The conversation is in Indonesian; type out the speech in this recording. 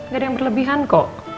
gak ada yang berlebihan kok